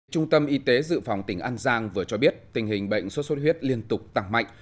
trung tâm y tế dự phòng tỉnh an giang vừa cho biết tình hình bệnh sốt xuất huyết liên tục tăng mạnh